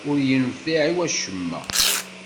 Ur yenfiɛ i wacemma.